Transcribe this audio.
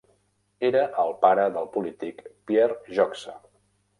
Era el pare del polític Pierre Joxe.